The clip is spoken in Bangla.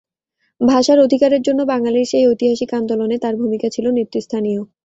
ভাষার অধিকারের জন্য বাঙালির সেই ঐতিহাসিক আন্দোলনে তাঁর ভূমিকা ছিল নেতৃস্থানীয়।